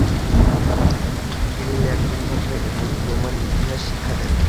তিনি ল্যাটিন ভাষা এবং রোমান ইতিহাস শিক্ষা দেন।